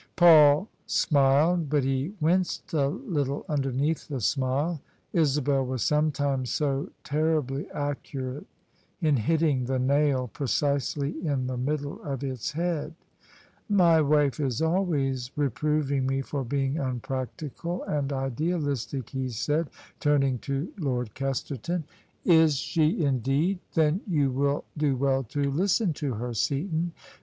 Paul smiled, but he winced a little underneath the smile. Isabel was sometimes so terribly accurate in hitting the nail precisely in the middle of its head. " My wife is always reproving me for being unpractical and idealistic," he said, turning to Lord Kesterton. "Is she indeed 1 Then you will do well to listen to her, Seaton.